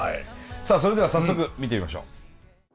さあそれでは早速見てみましょう！